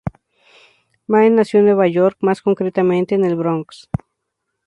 Mae nació en Nueva York, más concretamente en el Bronx.